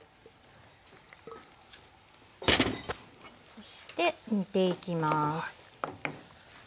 そして煮ていきます。